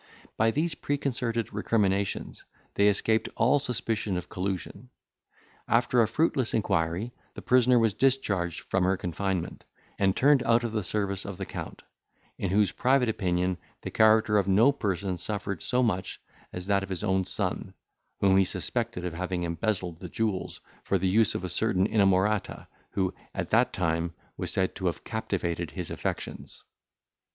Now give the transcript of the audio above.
By these preconcerted recriminations, they escaped all suspicion of collusion. After a fruitless inquiry, the prisoner was discharged from her confinement, and turned out of the service of the Count, in whose private opinion the character of no person suffered so much, as that of his own son, whom he suspected of having embezzled the jewels, for the use of a certain inamorata, who, at that time, was said to have captivated his affections.